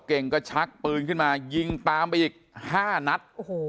เก่งก็ชักปืนขึ้นมายิงตามไปอีก๕นัด